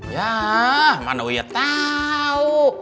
yah mano ya tau